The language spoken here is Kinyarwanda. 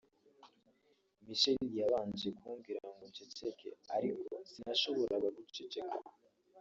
Michelle yabanje kumbwira ngo nceceke ariko sinashoboraga guceceka